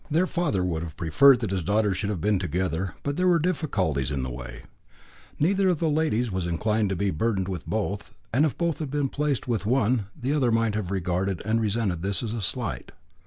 Their father would have preferred that his daughters should have been together, but there were difficulties in the way; neither of the ladies was inclined to be burdened with both, and if both had been placed with one the other might have regarded and resented this as a slight.